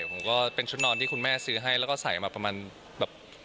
ผมก็เป็นชุดนอนที่คุณแม่ซื้อให้แล้วก็ใส่มาประมาณแบบ